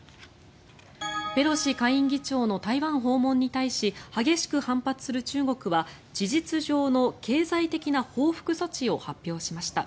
ペロシ下院議長の台湾訪問に対し激しく反発する中国は事実上の経済的な報復措置を発表しました。